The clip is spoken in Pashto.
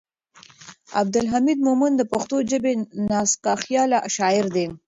عبدالحمید مومند د پښتو ژبې نازکخیاله شاعر دی.